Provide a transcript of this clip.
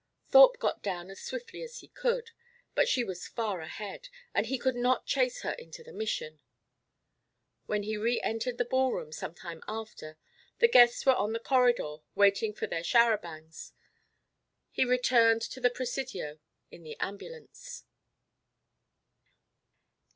Thorpe got down as swiftly as he could; but she was far ahead, and he could not chase her into the Mission. When he re entered the ball room some time after, the guests were on the corridor waiting for their char à bancs. He returned to the Presidio in the ambulance.